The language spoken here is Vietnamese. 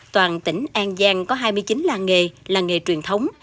toàn tỉnh an giang có hai mươi chín làng nghề làng nghề truyền thống